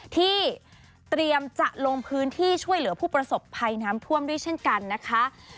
ที่เตรียมจะลงพื้นที่ช่วยเหลือผู้ประสบภัยน้ำท่วมด้วยเช่นกันนะคะ